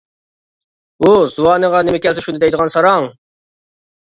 ھۇ زۇۋانىغا نېمە كەلسە شۇنى دەيدىغان ساراڭ!